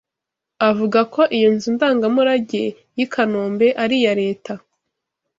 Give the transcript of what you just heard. avuga ko iyo nzu ndangamurage y’i Kanombe ari iya Leta